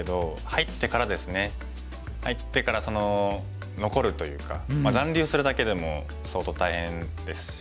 入ってから残るというか残留するだけでも相当大変ですし。